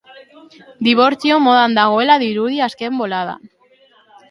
Dibortzio modan dagoela dirudi azken boladan.